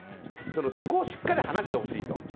そこをしっかり話してほしいと。